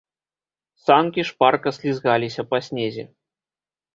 Санкі шпарка слізгаліся па снезе.